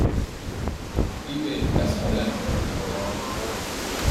Vive en Casablanca, Marruecos.